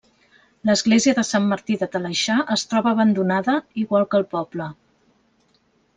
L'església de Sant Martí de Talaixà es troba abandonada, igual que el poble.